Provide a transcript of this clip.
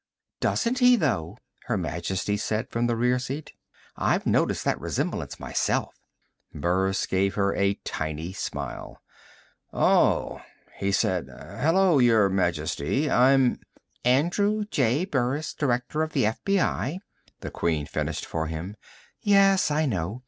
"Doesn't he, though?" Her Majesty said from the rear seat. "I've noticed that resemblance myself." Burris gave her a tiny smile. "Oh," he said. "Hello, Your Majesty. I'm " "Andrew J. Burris, Director of the FBI," the Queen finished for him. "Yes, I know.